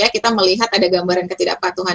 kita melihat ada gambaran ketidakpatuhan